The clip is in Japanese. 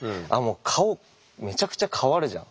顔めちゃくちゃ変わるじゃん。